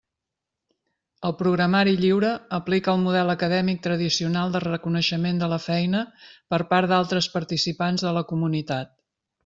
El programari lliure aplica el model acadèmic tradicional de reconeixement de la feina per part d'altres participants de la comunitat.